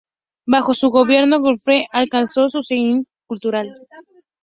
Bajo su gobierno Wolfenbüttel alcanzó su zenit cultural.